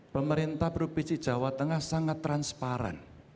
pemerintah provinsi jawa tengah sangat transparan